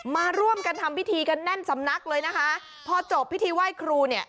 มาร่วมกันทำพิธีกันแน่นสำนักเลยนะคะพอจบพิธีไหว้ครูเนี่ย